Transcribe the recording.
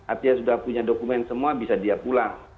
artinya sudah punya dokumen semua bisa dia pulang